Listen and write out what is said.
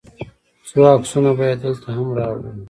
څو عکسونه به یې دلته هم راوړم.